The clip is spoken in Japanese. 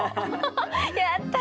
やったね！